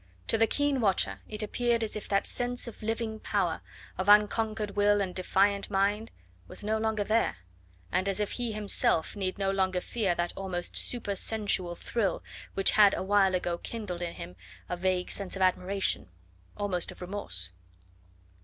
To the keen watcher it appeared as if that sense of living power, of unconquered will and defiant mind was no longer there, and as if he himself need no longer fear that almost supersensual thrill which had a while ago kindled in him a vague sense of admiration almost of remorse.